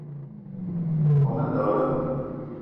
O be ma ndekle